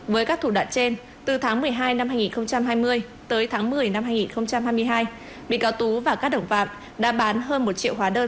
với các thủ đoạn trên từ tháng một mươi hai năm hai nghìn hai mươi tới tháng một mươi năm hai nghìn hai mươi hai bị cáo tú và các đồng phạm đã bán hơn một triệu hóa đơn